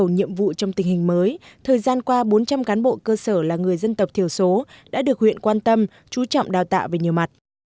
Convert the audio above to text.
nhiệm vụ trong tình hình mới thời gian qua bốn trăm linh cán bộ cơ sở là người dân tộc thiểu số đã được huyện quan tâm chú trọng đào tạo về nhiều mặt